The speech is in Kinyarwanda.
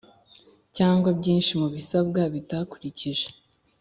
cyangwa byinshi mu bisabwa bitakurikije